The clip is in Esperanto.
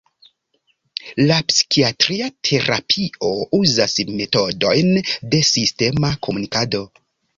La psikiatria terapio uzas metodojn de sistema komunikado.